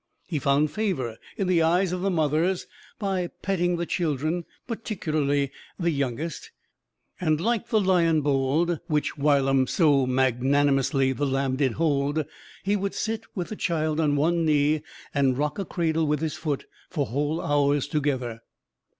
He found favor in the eyes of the mothers, by petting the children, particularly the youngest; and like the lion bold, which whilom so magnanimously the lamb did hold, he would sit with a child on one knee and rock a cradle with his foot for whole hours together.